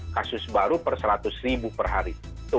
kasus baru per seratus ribu per hari